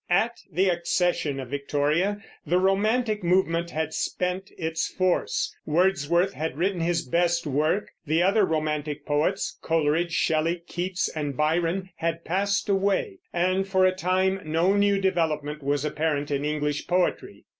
At the accession of Victoria the romantic movement had spent its force; Wordsworth had written his best work; the other romantic poets, Coleridge, Shelley, Keats, and Byron, had passed away; and for a time no new development was apparent in English poetry.